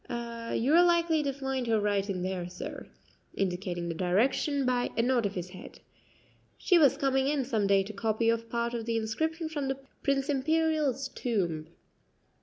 "You are likely to find her right in there, sir," indicating the direction by a nod of his head. "She was coming in some day to copy off part of the inscription from the Prince Imperial's tomb."